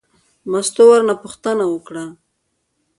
مستو ورنه پوښتنه وکړه.